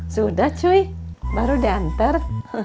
sudah cuy baru deh antar